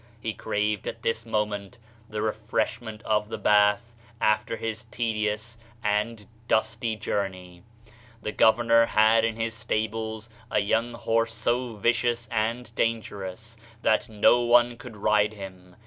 He craved at this moment the refreshment of the bath after his tedious and dusty journey. The governor had in his stables a young horse so vicious and dangerous that no one could ride him.